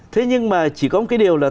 thế nhưng mà chỉ có một cái điều là